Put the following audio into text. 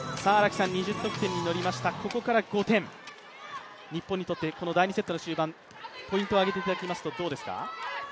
２０得点にのりました、ここから５点、日本にとって第２セットの終盤、ポイントを上げていただきますとどうですか。